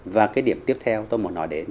và cái điểm tiếp theo tôi muốn nói đến